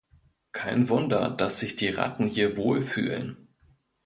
Kein Wunder, dass sich die Ratten hier wohlfühlen.